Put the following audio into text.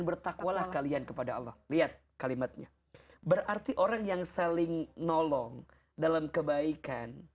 bertakwalah kalian kepada allah lihat kalimatnya berarti orang yang saling nolong dalam kebaikan